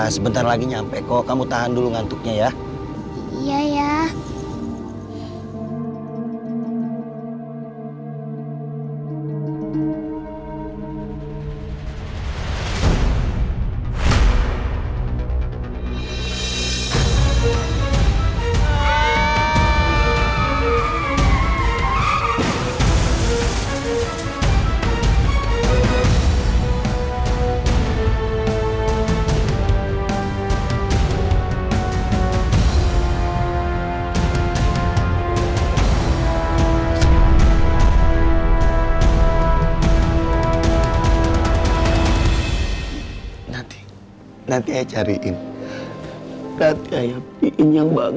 sebentar lagi nyampe kok kamu tahan dulu ngantuknya ya iya iya